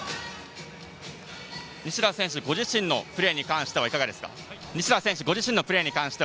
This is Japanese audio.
西田選手、ご自身のプレーに関してはいかがですか？